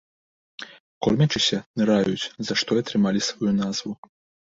Кормячыся, ныраюць, за што і атрымалі сваю назву.